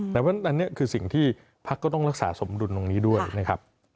ดังนั้นอันนี้คือสิ่งที่พักก็ต้องรักษาสมดุลตรงนี้ด้วยนะครับ